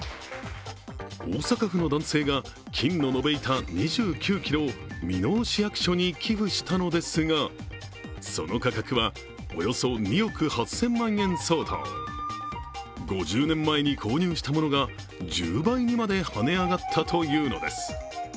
大阪府の男性が金の延べ板２９ｋｇを箕面市役所に寄付したのですがその価格はおよそ２億８０００万円相当５０年前に購入したものが１０倍にまで跳ね上がったというのです。